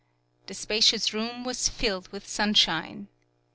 The spacious room was filled with sunshine.